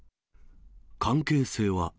関係性は？